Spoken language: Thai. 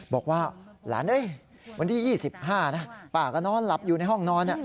บอกว่าหลานวันที่๒๕นะป้าก็นอนหลับอยู่ในห้องนอน